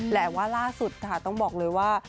แต่ว่าล่าสุดค่ะต้องบอกเลยว่า